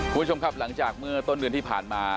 คุณผู้ชมครับหลังจากเมื่อต้นเดือนที่ผ่านมา